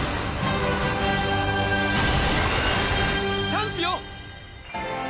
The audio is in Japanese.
チャンスよ！